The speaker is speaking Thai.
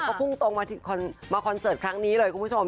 ก็พุ่งตรงมาคอนเสิร์ตครั้งนี้เลยคุณผู้ชม